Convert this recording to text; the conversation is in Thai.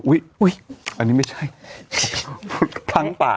อุ๊ยอันนี้ไม่ใช่พลั้งปาก